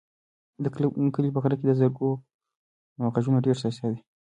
د کلي په غره کې د زرکو غږونه ډېر ښایسته دي.